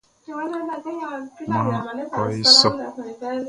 Maan e wɔ.